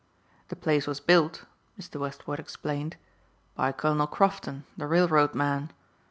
"The place was built," Mr. Westward explained, "by Colonel Crofton, the railroad man.